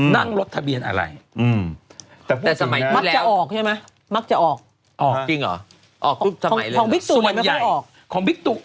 เอาเลย๓อย่าง